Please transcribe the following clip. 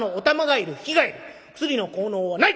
薬の効能はない！